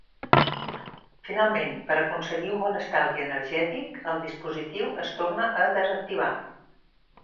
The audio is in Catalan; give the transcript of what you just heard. Finalment, per aconseguir un bon estalvi energètic el dispositiu es torna a desactivar.